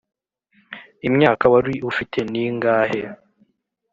Imyaka wari ufite ningahe.